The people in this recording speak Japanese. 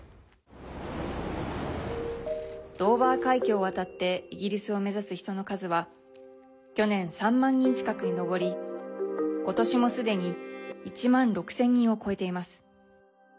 ドーバー海峡を渡ってイギリスを目指す人の数は去年、３万人近くに上り今年もすでに１万６０００人を超えています。